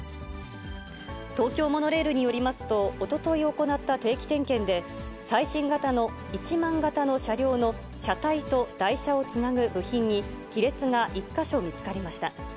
東京モノレールによりますと、おととい行った定期点検で、最新型の１００００形の車両の車体と台車をつなぐ部品に亀裂が１か所見つかりました。